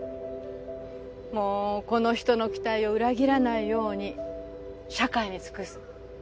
もうこの人の期待を裏切らないように社会に尽くす。